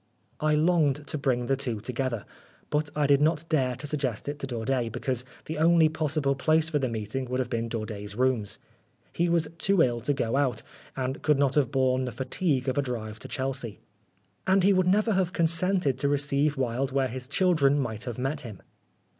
I longed to bring the two together, but I did not dare to suggest it to Daudet, because the only possible place for the meeting would have been Daudet's rooms. He was too ill to go out, and could not have borne the fatigue of a drive to Chelsea. And he would never have consented to receive Wilde where his children might have met him.